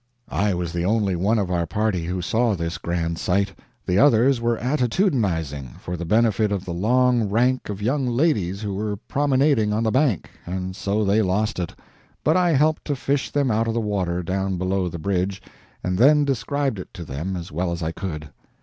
I was the only one of our party who saw this grand sight; the others were attitudinizing, for the benefit of the long rank of young ladies who were promenading on the bank, and so they lost it. But I helped to fish them out of the river, down below the bridge, and then described it to them as well as I could.